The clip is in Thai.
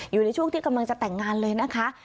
อยู่ในช่วงที่กำลังจะแต่งงานเลยนะคะ